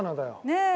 ねえ。